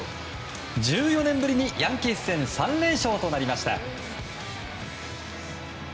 １４年ぶりにヤンキース戦３連勝となりました。